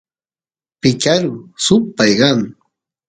picaru supay kan